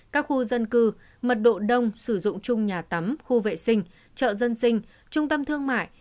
các khu dân cư mật độ đông sử dụng chung nhà tắm khu vệ sinh chợ dân sinh trung tâm thương mại